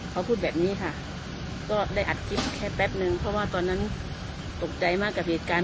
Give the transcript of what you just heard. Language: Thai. เขาพูดแบบนี้ค่ะก็ได้อัดคลิปแค่แป๊บนึงเพราะว่าตอนนั้นตกใจมากกับเหตุการณ์